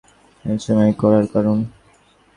এই সময়ে করার কারণ?